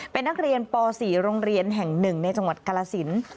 เป็นนักเรียนป๔โรงเรียนแห่ง๑ในจังหวัดกาลสิน